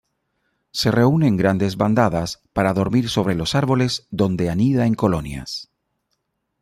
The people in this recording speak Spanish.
Se reúne en grandes bandadas para dormir sobre los árboles, donde anida en colonias.